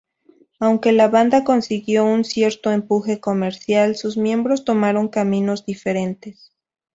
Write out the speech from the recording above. Aunque la banda consiguió un cierto empuje comercial, sus miembros tomaron caminos diferentes.